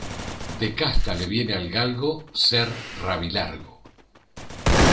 De casta le viene al galgo ser rabilargo.